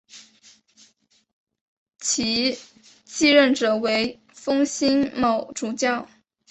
其继任者为封新卯主教。